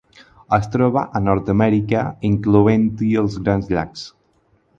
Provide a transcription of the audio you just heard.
Es troba a Nord-amèrica, incloent-hi els Grans Llacs.